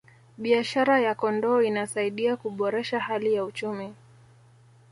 biashara ya kondoo inasaidia kuboresha hali ya uchumi